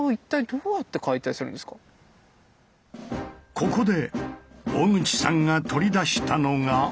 ここで小口さんが取り出したのが。